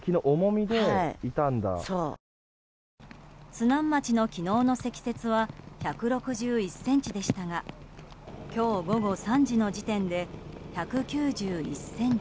津南町の昨日の積雪は１６１ｃｍでしたが今日午後３時の時点で１９１ｃｍ。